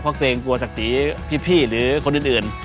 เพราะเกรงกลัวศักดิ์ศรีพี่หรือคนอื่น